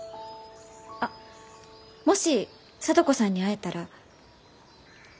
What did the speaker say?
あっもし聡子さんに会えたら。